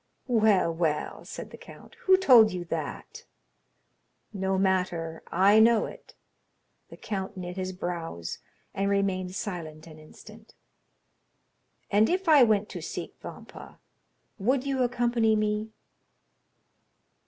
"Well, well," said the count, "who told you that?" "No matter; I know it." The count knit his brows, and remained silent an instant. "And if I went to seek Vampa, would you accompany me?"